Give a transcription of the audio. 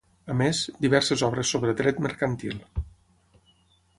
A més, diverses obres sobre dret mercantil.